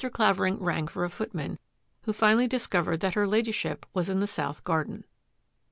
Clavering rang for a footman, who finally discovered that her Ladyship was in the south garden.